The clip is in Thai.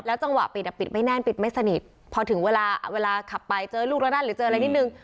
จังหวะปิดอ่ะปิดไม่แน่นปิดไม่สนิทพอถึงเวลาเวลาขับไปเจอลูกละนั่นหรือเจออะไรนิดนึง